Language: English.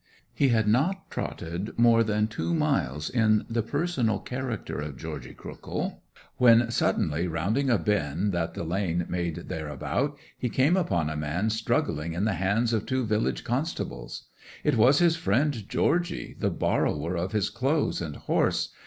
'He had not trotted more than two miles in the personal character of Georgy Crookhill when, suddenly rounding a bend that the lane made thereabout, he came upon a man struggling in the hands of two village constables. It was his friend Georgy, the borrower of his clothes and horse.